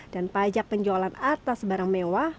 dan pajak penjualan atas barang mewah